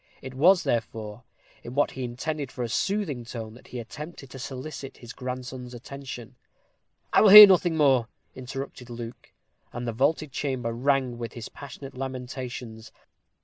It was, therefore, in what he intended for a soothing tone that he attempted to solicit his grandson's attention. "I will hear nothing more," interrupted Luke, and the vaulted chamber rang with his passionate lamentations.